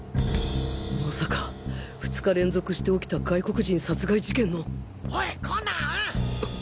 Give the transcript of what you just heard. まさか２日連続して起きた外国人殺害事件のおいコナン！